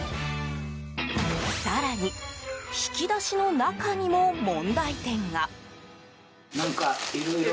更に引き出しの中にも問題点が。